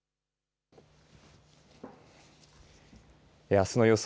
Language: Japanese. あすの予想